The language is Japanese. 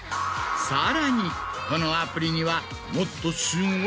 さらにこのアプリには。